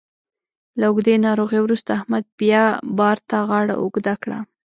له اوږدې ناروغۍ وروسته احمد بیا بار ته غاړه اوږده کړه.